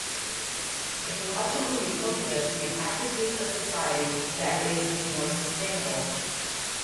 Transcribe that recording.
Ecological utopias may advocate a society that is more sustainable.